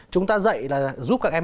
chúng ta dạy là giúp các em